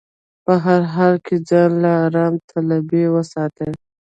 په هر حال کې ځان له ارام طلبي وساتي.